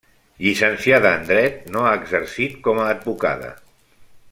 Llicenciada en dret, no ha exercit com a advocada.